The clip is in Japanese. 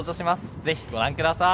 ぜひご覧ください。